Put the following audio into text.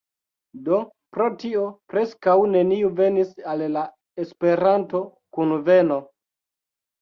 Do, pro tio preskaŭ neniu venis al la Esperanto-kunveno